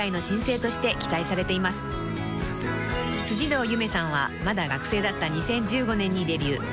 ［辻堂ゆめさんはまだ学生だった２０１５年にデビュー］